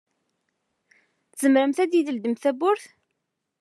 Tzemrem ad yi-d-teldim tawwurt?